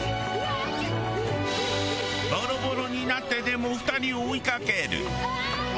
ボロボロになってでも２人を追いかける。